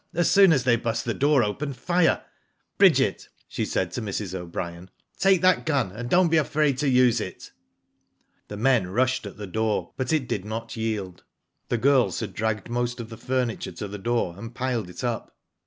As soon as they burst the door open, fire. Bridget,'* she said to Mrs. O'Brien, "take that gun, and don't be afraid to use it." The men rushed at the door, but it did not yield. The girls had dragged most of the furniture to the door, and piled it up.